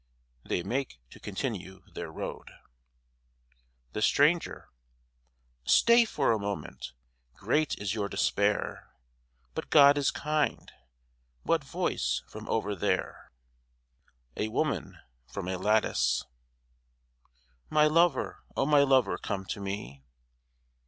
(They make to continue their road) THE STRANGER Stay for a moment. Great is your despair, But God is kind. What voice from over there? A WOMAN (from a lattice) My lover, O my lover, come to me!